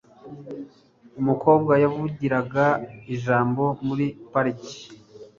Umukobwa yavugiraga ijambo muri parike.